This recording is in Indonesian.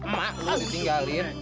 mak lu ditinggalin